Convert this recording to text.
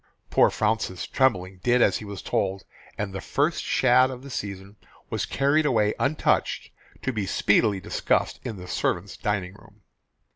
Poor Fraunces tremblingly did as he was told, and the first shad of the season was carried away untouched to be speedily discussed in the servants' dining room.